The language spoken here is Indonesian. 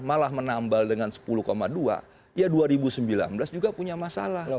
malah menambal dengan sepuluh dua ya dua ribu sembilan belas juga punya masalah